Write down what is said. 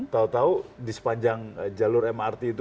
tahu tahu di sepanjang jalur mrt itu